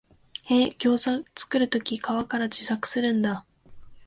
へえ、ギョウザ作るとき皮から自作するんだ